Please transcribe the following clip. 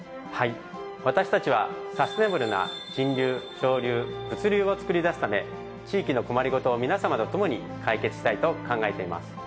私たちはサステナブルな人流商流物流を創り出すため地域の困り事を皆さまと共に解決したいと考えています。